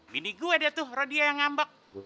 bini gue deh tuh rodia yang ngambek